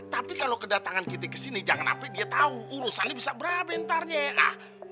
tapi kalau kedatangan kita kesini jangan sampai dia tau urusan ini bisa berapa ntar ya